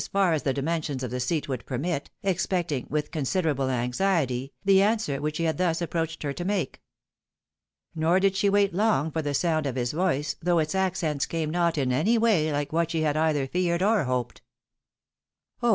far as the dimensions of the seat would permit, expecting, with considerable anxiety, the answer which he had thus approached her to make. Nor did she wait long for the sound of his voice, though its accents came not, in any way, like what she had either feared, or hoped. " Oh!